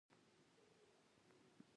تواب يو کتاب ور واخيست.